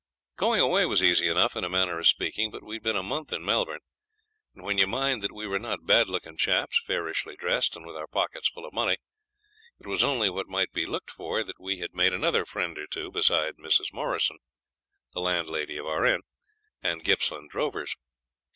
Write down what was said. Going away was easy enough, in a manner of speaking; but we'd been a month in Melbourne, and when you mind that we were not bad looking chaps, fairishly dressed, and with our pockets full of money, it was only what might be looked for if we had made another friend or two besides Mrs. Morrison, the landlady of our inn, and Gippsland drovers.